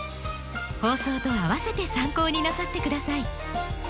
放送とあわせて参考になさって下さい。